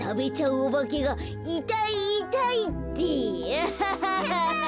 アハハハハ！